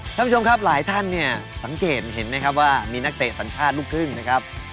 ท่านผู้ชมครับหลายท่านเนี่ยสังเกตเห็นไหมครับว่ามีนักเตะสัญชาติลูกครึ่งนะครับ